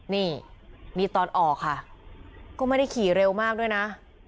นี่นี่ตอนออกค่ะก็ไม่ได้ขี่เร็วมากด้วยนะ